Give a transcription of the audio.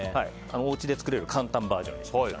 おうちで作れる簡単バージョンにしました。